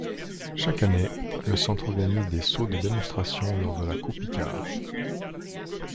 Chaque année, le centre organise des sauts de démonstration lors de la Coupe Icare.